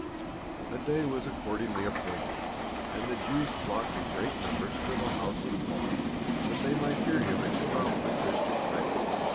A day was accordingly appointed, and the Jews flocked in great numbers to the house of Paul that they might hear him expound the Christian faith.